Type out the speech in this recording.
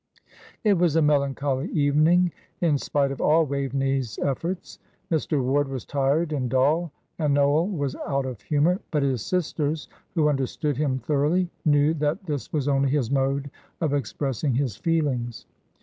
It was a melancholy evening, in spite of all Waveney's efforts. Mr. Ward was tired and dull, and Noel was out of humour; but his sisters, who understood him thoroughly, knew that this was only his mode of expressing his feelings.